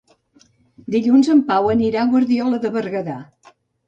Dilluns en Pau anirà a Guardiola de Berguedà.